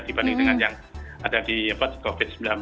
dibanding dengan yang ada di covid sembilan belas